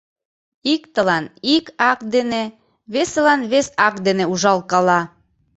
Иктылан ик ак дене, весылан вес ак дене ужалкала.